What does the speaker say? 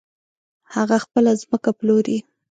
هغه خپله ځمکه پلوري .